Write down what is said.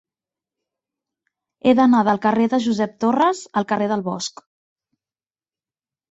He d'anar del carrer de Josep Torres al carrer del Bosc.